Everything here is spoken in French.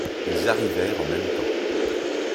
Ils arrivèrent en même temps.